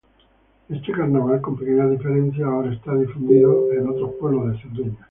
Este Carnaval, con pequeñas diferencias, ahora está difundido en otros pueblos de Cerdeña.